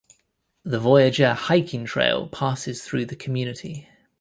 The Voyageur Hiking Trail passes through the community.